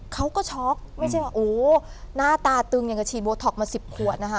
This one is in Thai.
ช็อกไม่ใช่ว่าโอ้หน้าตาตึงอย่างกับฉีดโบท็อกมา๑๐ขวดนะคะ